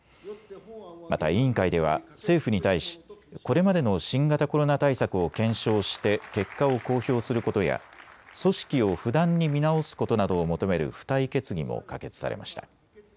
また委員会では政府に対しこれまでの新型コロナ対策を検証して結果を公表することや組織を不断に見直すことなどを求める付帯決議も可決されました。